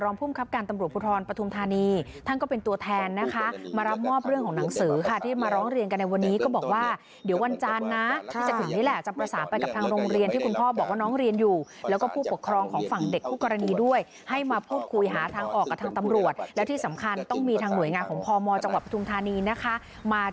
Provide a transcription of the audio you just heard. มันมีแต่คำว่าให้ดำเนินตามกลมหมา